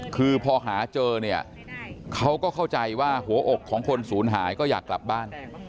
คือพอหาเจอเนี่ยเขาก็เข้าใจว่าหัวอกของคนศูนย์หายก็อยากกลับบ้าน